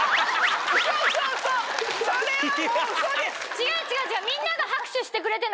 違う違う。